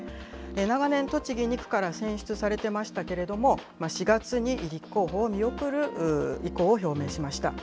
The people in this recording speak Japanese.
長年、栃木２区から選出されてましたけれども、４月に立候補を見送る意向を表明しました。